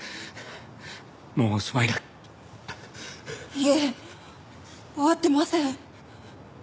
いえ終わってません。